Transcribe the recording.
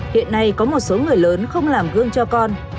hiện nay có một số người lớn không làm gương cho con